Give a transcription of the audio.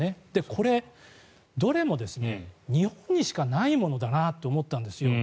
これ、どれも日本にしかないものだなと思ったんですよ。